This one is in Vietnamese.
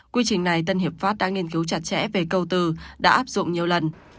quy trình này tân hiệp pháp đã nghiên cứu chặt chẽ về câu từ đã áp dụng nhiều lần